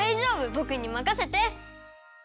ぼくにまかせて！